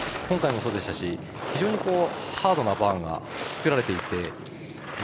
今回もそうでしたし非常にハードなバーンが作られていて。